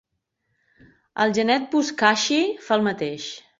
El genet buzkashi fa el mateix.